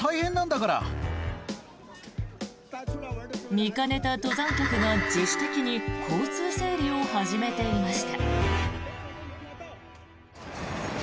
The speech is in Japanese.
見かねた登山客が自主的に交通整理を始めていました。